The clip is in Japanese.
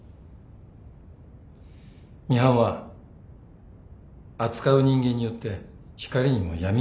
ミハンは扱う人間によって光にも闇にもなる。